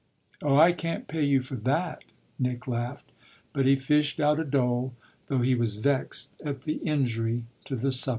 "Oh I can't pay you for that!" Nick laughed. But he fished out a dole, though he was vexed at the injury to the supper.